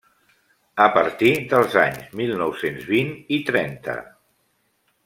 A partir dels anys mil nou-cents vint i trenta.